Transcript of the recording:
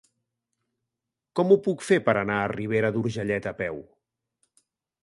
Com ho puc fer per anar a Ribera d'Urgellet a peu?